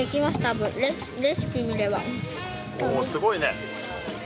おすごいね。